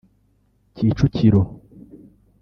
Kicukiro